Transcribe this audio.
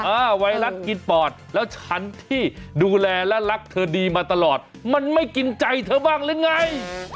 ไวรัสกินปอดแล้วฉันที่ดูแลและรักเธอดีมาตลอดมันไม่กินใจเธอบ้างหรือไง